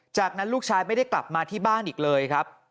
จากนั้นลูกชายไม่ได้กลับมาที่บ้านอีกเลยครับ